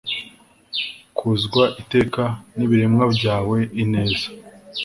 kuzwa iteka n'ibiremwa byawe, ineza